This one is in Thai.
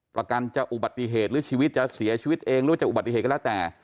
ประกันจะอุบัติเหตุหรือชีวิตจะเสียชีวิตเองหรือจะอุบัติเหตุก็แล้วแต่